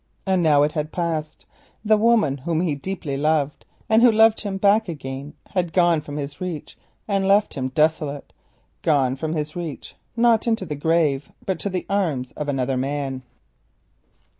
And now the hope had passed: the woman whom he deeply loved, and who loved him back again, had gone from his reach and left him desolate—gone from his reach, not into the grave, but towards the arms of another man.